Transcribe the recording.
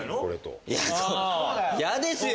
嫌ですよ！